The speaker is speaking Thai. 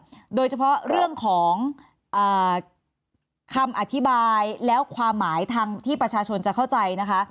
โดยเฉพาะเรื่องของคำอธิบายแล้วความหมายทางที่ประชาชนจะเข้าใจนะคะ